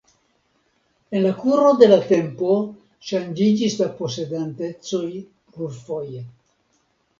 En la kuro de la tempo ŝanĝiĝis la posedantecoj plurfoje.